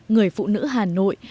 người phụ nữ hà nội